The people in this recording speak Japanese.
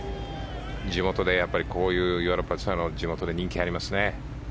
やっぱり、こういうヨーロッパツアーの地元で人気がありますね。